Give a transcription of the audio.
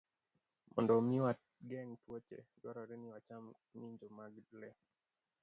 Mondo omi wageng' tuoche, dwarore ni wacham ng'injo mag le.